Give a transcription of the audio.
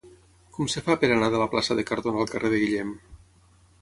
Com es fa per anar de la plaça de Cardona al carrer de Guillem?